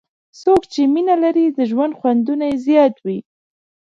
څوک چې مینه لري، د ژوند خوند یې زیات وي.